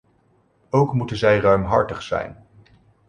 Ook moeten zij ruimhartig zijn.